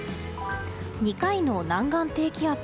２回の南岸低気圧。